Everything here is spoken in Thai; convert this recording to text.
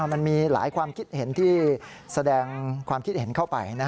มันมีหลายความคิดเห็นที่แสดงความคิดเห็นเข้าไป